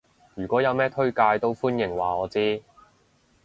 如果有咩推介都歡迎話我知